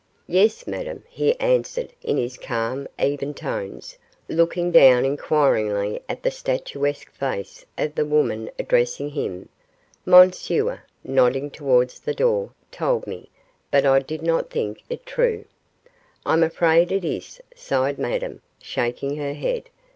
'Yes, Madame,' he answered, in his calm, even tones, looking down inquiringly at the statuesque face of the woman addressing him; 'Monsieur,' nodding towards the door, 'told me, but I did not think it true.' 'I'm afraid it is,' sighed Madame, shaking her head.